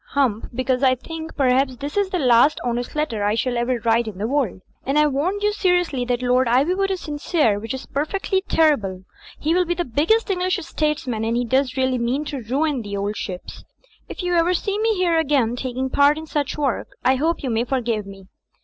Hump, because I think perhaps 41 Digitized by CjOOQ IC 42 THE FLYING INN this is the last honest letter I shall ever write in the world. And I warn you seriously that Lord Ivywood is sincere, which is perfectly terrible. He will be the biggest Eng^lish statesman, and he does really mean to ruin — ^the old ships. If ever you see me here again taking part in such w^ork, I hope you may forgive me.